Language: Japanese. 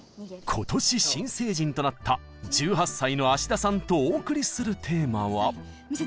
今年新成人となった１８歳の田さんとお送りするテーマは。